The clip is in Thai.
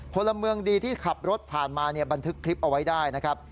พลเมืองดีที่ขับรถผ่านมาเนี่ยบันทึกคลิปเอาไว้ได้นะครับ